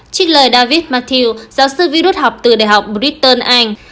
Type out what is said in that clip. trích lời david mathieu giáo sư virus học từ đại học britain anh